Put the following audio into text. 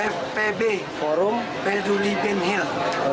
fpb forum peduli bendil